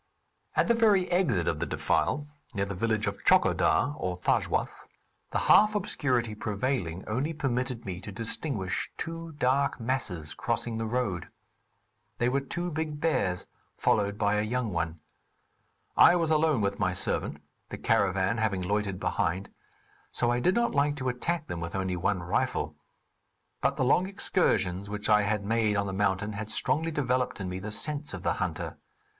At the very exit of the defile, near the village of Tchokodar, or Thajwas, the half obscurity prevailing only permitted me to distinguish two dark masses crossing the road. They were two big bears followed by a young one. I was alone with my servant (the caravan having loitered behind), so I did not like to attack them with only one rifle; but the long excursions which I had made on the mountain had strongly developed in me the sense of the hunter.